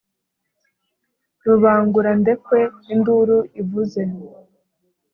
rubangurandekwe induru ivuze